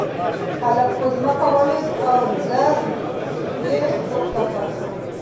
هلک په ځمکه ولوېد او درب یې پورته شو.